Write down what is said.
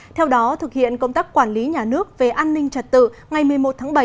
theo đó thực hiện công tác quản lý nhà nước về an ninh trật tự ngày một mươi một tháng bảy